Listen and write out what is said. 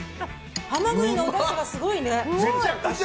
ハマグリのおだしがすごいね。